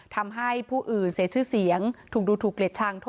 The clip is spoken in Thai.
ทำให้ผู้อื่นเสียชื่อเสียงถูกดูถูกเกลียดชัง